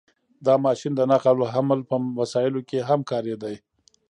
• دا ماشین د نقل او حمل په وسایلو کې هم کارېده.